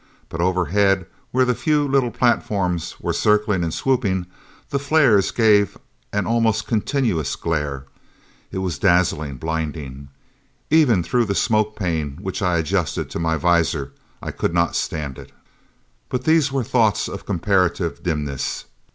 But overhead, where the few little platforms were circling and swooping, the flares gave an almost continuous glare. It was dazzling, blinding. Even through the smoked pane which I adjusted to my visor I could not stand it. But these were thoughts of comparative dimness.